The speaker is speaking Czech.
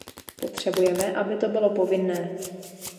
Potřebujeme, aby to bylo povinné.